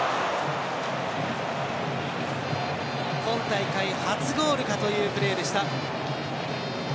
今大会、初ゴールかというプレーでした。